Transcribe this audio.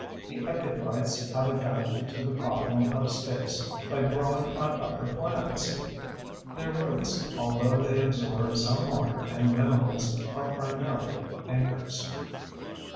The epiphytes have adapted to the problem of space by growing on other plants. Their roots, although they absorb some water and minerals, are primarily anchors.